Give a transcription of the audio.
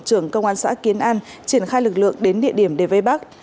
trưởng công an xã kiến an triển khai lực lượng đến địa điểm đề vây bắc